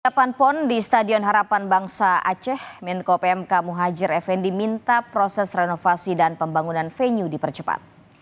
depan pon di stadion harapan bangsa aceh menko pmk muhajir effendi minta proses renovasi dan pembangunan venue dipercepat